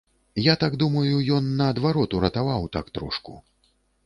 Я так думаю, ён, наадварот, уратаваў так трошку.